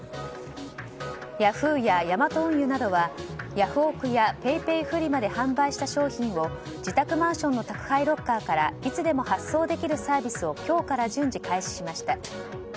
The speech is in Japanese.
ヤフーやヤマト運輸などはヤフオク！やＰａｙＰａｙフリマで販売した商品を自宅マンションの宅配ロッカーからいつでも発送できるサービスを今日から順次、開始しました。